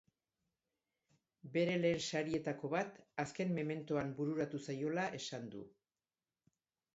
Bere lehen sarietako bat azken mementoan bururatu zaiola esan du.